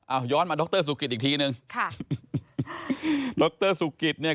เอาย้อนมาดรสุกิตอีกทีนึงค่ะดรสุกิตเนี่ย